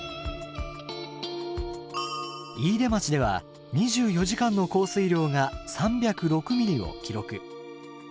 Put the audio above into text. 飯豊町では２４時間の降水量が３０６ｍｍを記録。